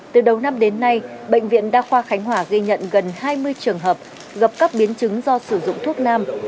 từ đầu năm đến nay bệnh viện đa khoa khánh hòa ghi nhận gần hai mươi trường hợp gặp các biến chứng do sử dụng thuốc nam